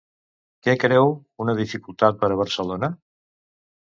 Què creu una dificultat per a Barcelona?